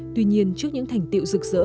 tuy nhiên trước những thành tiệu rực rỡ